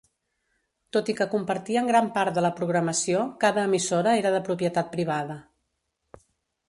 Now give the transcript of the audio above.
Tot i que compartien gran part de la programació, cada emissora era de propietat privada.